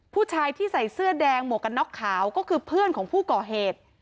ผู้ชายที่ใส่เสื้อแดงหมวกกันน็อกขาวก็คือเพื่อนของผู้ก่อเหตุ